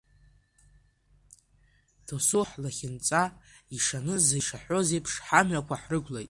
Досу ҳлахьынҵа ишаныз, ишаҳәоз еиԥш, ҳамҩақәа ҳрықәлеит.